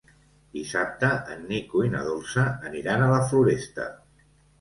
Dissabte en Nico i na Dolça aniran a la Floresta.